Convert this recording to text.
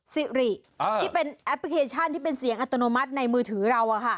สิริที่เป็นแอปพลิเคชันที่เป็นเสียงอัตโนมัติในมือถือเรา